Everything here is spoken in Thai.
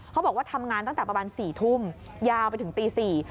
เขาบอกว่าทำงานตั้งแต่ประมาณ๔ทุ่มยาวไปถึงตี๔